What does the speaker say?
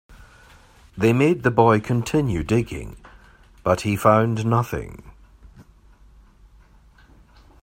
They made the boy continue digging, but he found nothing.